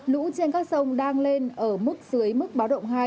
lũ trên các sông đang lên ở mức dưới mức báo động hai